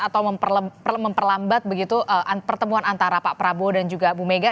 atau memperlambat begitu pertemuan antara pak prabowo dan juga bu mega